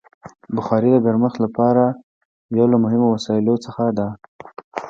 بخاري د ګرمښت لپاره یو له مهمو وسایلو څخه ده.